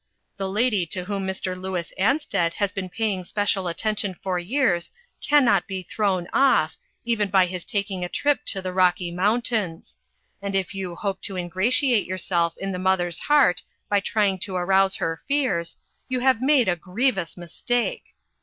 The lady to whom Mr. Louis Ansted has been paying special attention for years, can not be thrown off, even by his taking a trip to the Rocky Mountains ; and if you hope to ingratiate yourself in the mother's heart by trying to arouse her fears, you have made a grievous mistake.